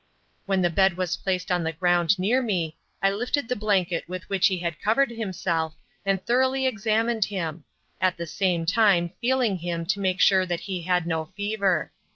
When the bed was placed on the ground near me, I lifted the blanket with which he had covered himself and thoroughly examined him, at the same time feeling him to make sure that he had no fever.